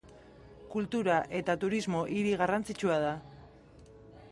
Kultura eta turismo hiri garrantzitsua da.